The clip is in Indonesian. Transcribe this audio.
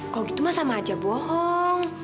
kalau gitu mah sama aja bohong